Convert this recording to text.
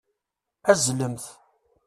Azzlemt.